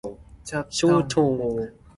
妥當